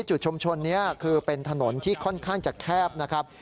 จุดชุมชนนี้คือเป็นถนนที่ค่อนข้างจะแคบนะครับ